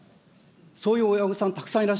そういう親御さん、たくさんいら